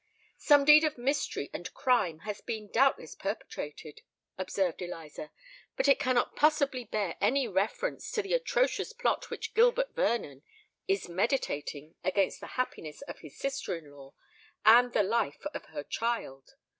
"Some deed of mystery and crime has been doubtless perpetrated," observed Eliza; "but it cannot possibly bear any reference to the atrocious plot which Gilbert Vernon is meditating against the happiness of his sister in law and the life of her child.